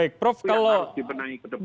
itu yang harus dibenahi ke depan